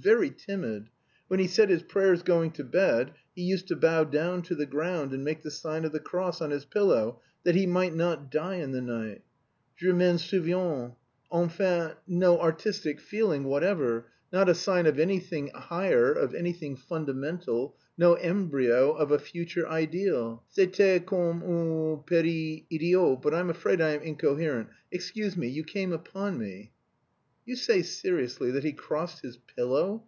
very timid. When he said his prayers going to bed he used to bow down to the ground, and make the sign of the cross on his pillow that he might not die in the night.... Je m'en souviens. Enfin, no artistic feeling whatever, not a sign of anything higher, of anything fundamental, no embryo of a future ideal..._c'était comme un petit idiot,_ but I'm afraid I am incoherent; excuse me... you came upon me..." "You say seriously that he crossed his pillow?"